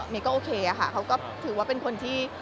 ก็โอเคค่ะเขาก็ถือว่าเป็นคนที่